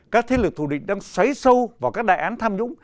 các thế lực thù địch đang xoáy sâu vào các đại án tham nhũng